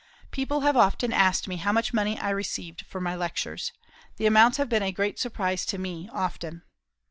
People have often asked me how much money I received for my lectures. The amounts have been a great surprise to me, often.